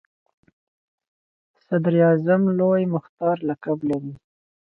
صدراعظم لوی مختار لقب لري.